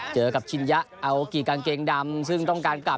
เจอกับชินยะอัลกิกางเกงดำซึ่งต้องการกลับ